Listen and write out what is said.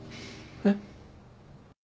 えっ？